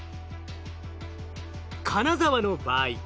金沢の場合。